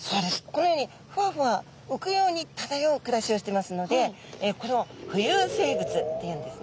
このようにふわふわうくように漂う暮らしをしていますのでこれを浮遊生物っていうんですね。